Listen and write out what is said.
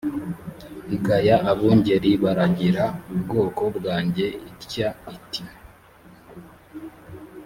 igaya abungeri baragira ubwoko bwanjye itya iti